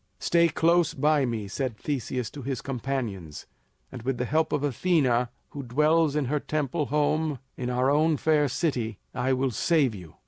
"Stay close by me," said Theseus to his companions, "and with the help of Athena who dwells in her temple home in our own fair city, I will save you."